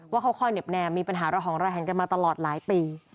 ค่อยเหน็บแนมมีปัญหาระหองระแหงกันมาตลอดหลายปี